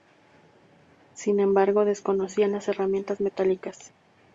Sin embargo, desconocían las herramientas metálicas.